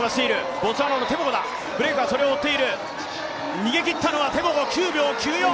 逃げ切ったのはテボゴ９秒９４。